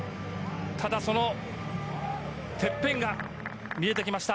ただそのてっぺんが見えてきました。